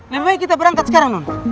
lebih baik kita berangkat sekarang non